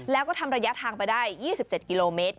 แล้วก็ทำระยะทางไปได้๒๗กิโลเมตร